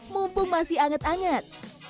mumpung masih anget anget